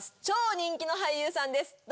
超人気の俳優さんです